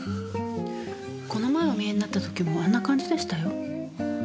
この前お見えになった時もあんな感じでしたよ。